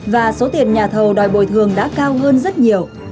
và số tiền nhà thầu đòi bồi thường đã cao hơn rất nhiều